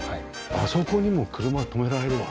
あそこにも車止められるわ。